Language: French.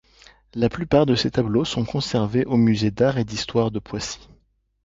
La plupart de ses tableaux sont conservés au Musée d'Art et d'Histoire de Poissy.